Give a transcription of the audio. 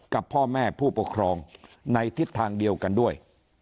กับพ่อแม่ผู้ปกครองในทิศทางเดียวกันด้วย